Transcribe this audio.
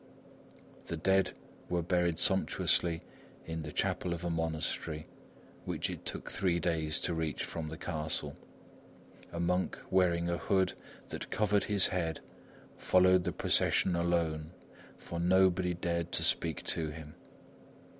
The dead were buried sumptuously in the chapel of a monastery which it took three days to reach from the castle. A monk wearing a hood that covered his head followed the procession alone, for nobody dared to speak to him.